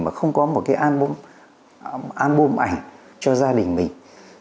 mà không có một cái alb album ảnh cho gia đình mình